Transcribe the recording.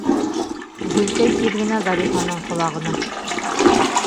Гөлкәй тиҙ генә Зарифаның ҡолағына: